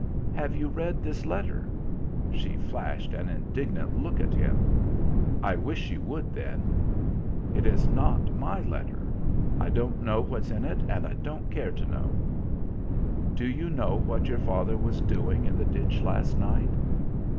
"Have you read this letter?" She flashed an indignant look at him. "I wish you would, then." "It is not my letter. I don't know what's in it, and I don't care to know." "Do you know what your father was doing in the ditch last night?"